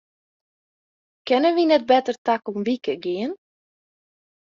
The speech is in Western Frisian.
Kinne wy net better takom wike gean?